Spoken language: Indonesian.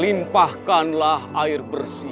limpahkanlah air bersih